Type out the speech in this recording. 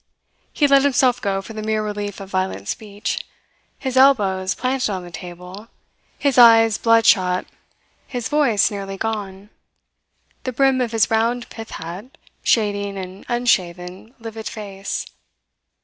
He let himself go for the mere relief of violent speech, his elbows planted on the table, his eyes blood shot, his voice nearly gone, the brim of his round pith hat shading an unshaven, livid face.